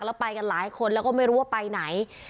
แล้วไปกันหลายคนแล้วก็ไม่รู้ว่าไปไหน